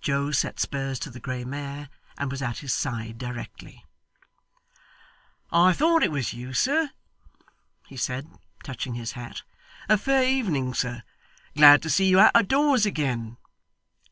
Joe set spurs to the grey mare, and was at his side directly. 'I thought it was you, sir,' he said, touching his hat. 'A fair evening, sir. Glad to see you out of doors again.